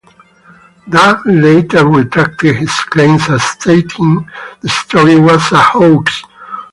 Dahl later retracted his claims, stating the story was a hoax.